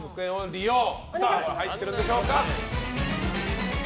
入っているんでしょうか。